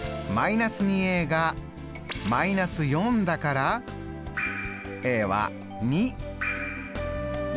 −２が−４だからは２。